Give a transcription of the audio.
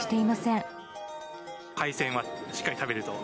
海鮮はしっかり食べると？